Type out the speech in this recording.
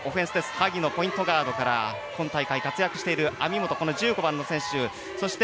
萩野、ポイントガードから今大会活躍している網本１５番の選手。